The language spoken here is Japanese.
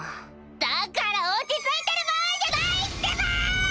だから落ち着いてる場合じゃないってば！